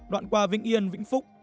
đoạn qua vĩnh yên vĩnh phúc